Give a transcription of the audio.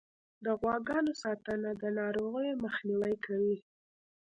د غواګانو ساتنه د ناروغیو مخنیوی کوي.